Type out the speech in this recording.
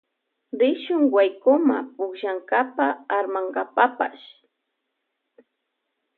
Rishun waykuma pukllankapa armankapapash.